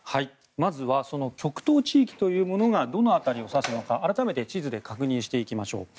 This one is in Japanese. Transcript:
まずは極東地域というのがどの辺りを指すのか改めて地図で確認していきましょう。